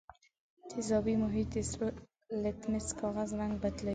تیزابي محیط د سرو لتمس کاغذ رنګ بدلوي.